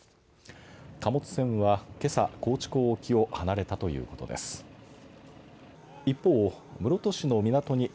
貨物船は、けさ高知港沖を離れたということです。